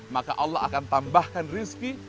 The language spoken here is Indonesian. maka allah akan tambahkan rizki